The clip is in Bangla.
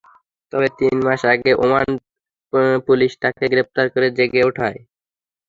তবে তিন মাস আগে ওমান পুলিশ তাঁকে গ্রেপ্তার করে জেলে পাঠায়।